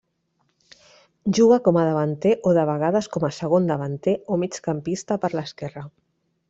Juga com a davanter o de vegades com a segon davanter o migcampista per l'esquerra.